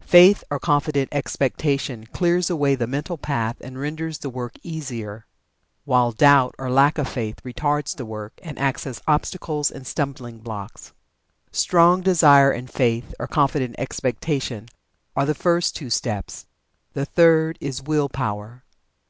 Faith or confident expectation clears away the mental path and renders the work easier, while doubt or lack of faith retards the work, and acts as obstacles and stumbling blocks. Strong Desire, and Faith, or confident expectation are the first two steps. The third is Will power.